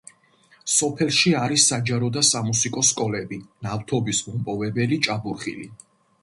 სოფელში არის საჯარო და სამუსიკო სკოლები, ნავთობის მომპოვებელი ჭაბურღილი.